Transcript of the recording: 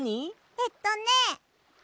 えっとね。